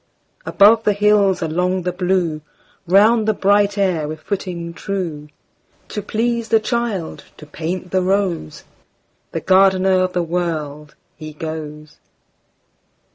Above the hills, along the blue, Round the bright air with footing true, To please the child, to paint the rose, The gardener of the World, he goes.